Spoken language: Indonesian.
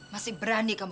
masih berani kemampuanmu